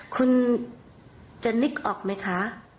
คุณจะนึกออกไหมคะ